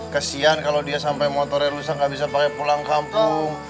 kesian kalau dia sampai motornya rusak gak bisa pakai pulang kampung